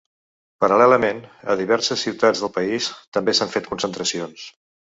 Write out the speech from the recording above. Paral·lelament, a diverses ciutats del país també s’han fet concentracions.